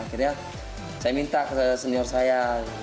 akhirnya saya minta ke senior saya